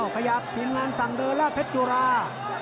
ขยับทีมงานสั่งเดินแล้วเพชรจุรา